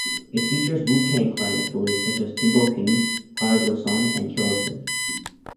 It features Wu-Tang Clan affiliates such as Timbo King, Prodigal Sunn and Killa Sin.